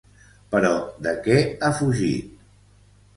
Però de què ha fugit?